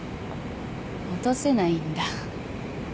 落とせないんだ。